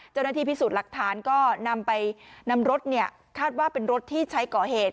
เจ้าหน้าที่พิสูจน์หลักฐานก็นำไปนำรถเนี่ยคาดว่าเป็นรถที่ใช้ก่อเหตุ